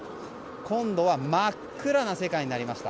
今度は真っ暗な世界になりました。